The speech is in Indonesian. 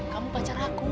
kamu pacar aku